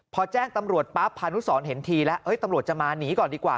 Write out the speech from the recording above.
พอแจ้งตำรวจปั๊บพานุสรเห็นทีแล้วตำรวจจะมาหนีก่อนดีกว่า